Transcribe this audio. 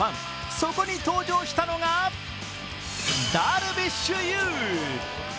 そこに登場したのがダルビッシュ有。